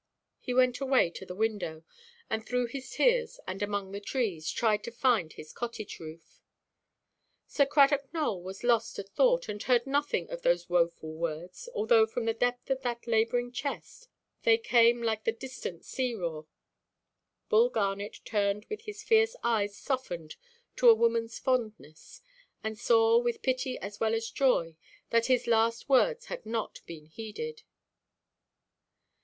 He went away to the window; and, through his tears, and among the trees, tried to find his cottage–roof. Sir Cradock Nowell was lost to thought, and heard nothing of those woeful words, although from the depth of that labouring chest they came like the distant sea–roar. Bull Garnet returned with his fierce eyes softened to a womanʼs fondness, and saw, with pity as well as joy, that his last words had not been heeded.